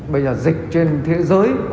bây giờ dịch trên thế giới